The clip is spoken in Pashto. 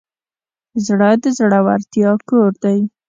زړه د زړورتیا کور دی.